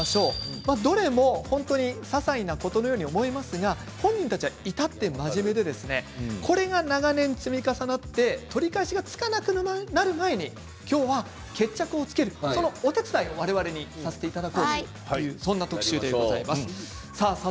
どれも本当にささいなことのように思いますが本人たちは至って真面目でこれが長年積み重なって取り返しがつかなくなる前に今日は決着をつけるそのお手伝いを我々にさせていただこうという特集です。